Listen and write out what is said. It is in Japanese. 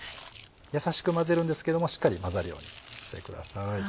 やさしく混ぜるんですけどもしっかり混ざるようにしてください。